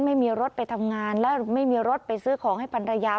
ไม่มีรถไปทำงานแล้วไม่มีรถไปซื้อของให้พันรยา